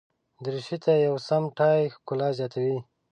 دریشي ته یو سم ټای ښکلا زیاتوي.